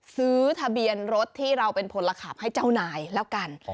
ซื้อทะเบียนรถที่เราเป็นพลขับให้เจ้านายแล้วกัน